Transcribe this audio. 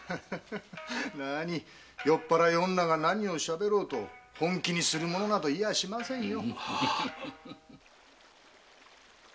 なあに酔っぱらい女が何をしゃべろうと本気にする者などいやしませんよ。